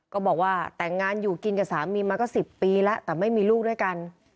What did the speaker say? ก็บอกว่าแต่งงานอยู่กินกับสามีมาก็๑๐ปีแล้วแต่ไม่มีลูกด้วยกัน